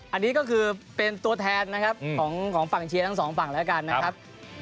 อันนี้ก็คือเป็นตัวแทนนะครับของฝั่งเชียร์ทั้งสองฝั่งแล้วกันนะครับ